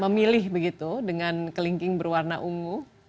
memilih begitu dengan kelingking berwarna ungu